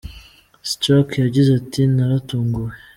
Stark yagize ati :« Naratunguwe.